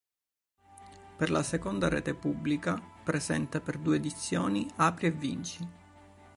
Per la seconda rete pubblica, presenta per due edizioni Apri e vinci.